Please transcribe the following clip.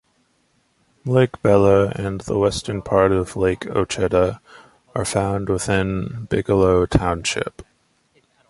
Lake Bella and the western part of Lake Ocheda are found within Bigelow Township.